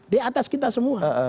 di atas kita semua